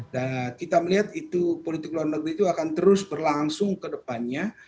dan kita melihat itu politik luar negeri itu akan terus berlangsung ke depannya